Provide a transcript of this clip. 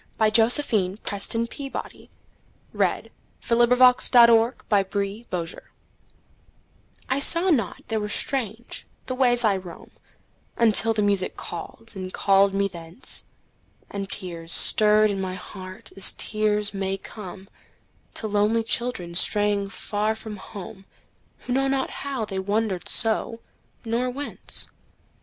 By Josephine PrestonPeabody 1671 After Music I SAW not they were strange, the ways I roam, Until the music called, and called me thence, And tears stirred in my heart as tears may comeTo lonely children straying far from home, Who know not how they wandered so, nor whence.